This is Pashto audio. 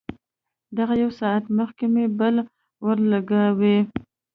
دغه يو ساعت مخکې مې بل ورولګاوه.